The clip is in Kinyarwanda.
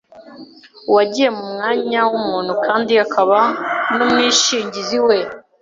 Uwagiye mu mwanya w’umuntu kandi akaba n’umwishingizi we,